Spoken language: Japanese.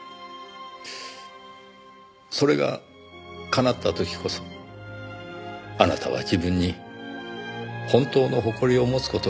それが叶った時こそあなたは自分に本当の誇りを持つ事が出来る。